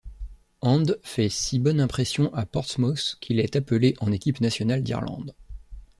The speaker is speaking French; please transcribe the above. Hand fait si bonne impression à Portsmouth qu'il est appelé en équipe nationale d’Irlande.